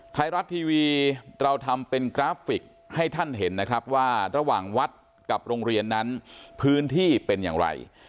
ไทยรัฐทีวีเราทำเป็นกราฟิกให้ท่านเห็นนะครับว่าระหว่างวัดกับโรงเรียนนั้นพื้นที่เป็นอย่างไร